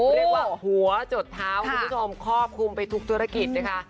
เรียกว่าหัวจดเท้าคุณผู้ชมครอบคลุมไปทุกธุรกิจนะคะ